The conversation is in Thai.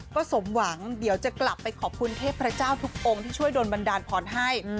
ก็สมหวังเดี๋ยวจะกลับไปขอบคุณเทพเจ้าทุกองค์ที่ช่วยโดนบันดาลพรให้